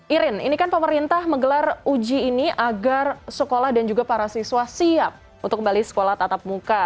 irin ini kan pemerintah menggelar uji ini agar sekolah dan juga para siswa siap untuk kembali sekolah tatap muka